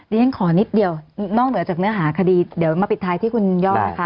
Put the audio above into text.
ฉันขอนิดเดียวนอกเหนือจากเนื้อหาคดีเดี๋ยวมาปิดท้ายที่คุณยอดนะคะ